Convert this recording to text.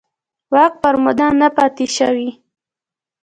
واک پر موده نه پاتې شوي.